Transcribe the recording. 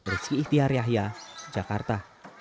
rizky ihtiar yahya jakarta